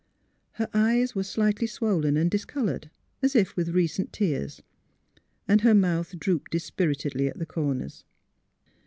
Her eyes were slightly swollen and discoloured, as if with recent tears, and her mouth drooped dispiritedly at the corners.